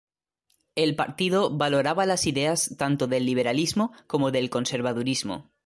El partido valoraba las ideas tanto del liberalismo como del conservadurismo.